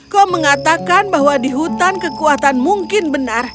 kaum mengatakan bahwa di hutan kekuatan mungkin benar